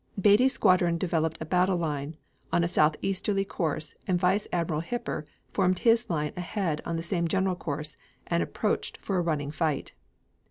Beatty's squadron developed a battle line on a southeasterly course and Vice Admiral Hipper formed his line ahead on the same general course and approached for a running fight.